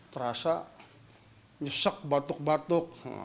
terasa nyesek batuk batuk